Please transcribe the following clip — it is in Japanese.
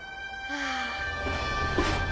ああ。